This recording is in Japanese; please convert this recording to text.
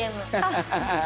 ハハハハ！